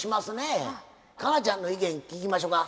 佳奈ちゃんの意見聞きましょか。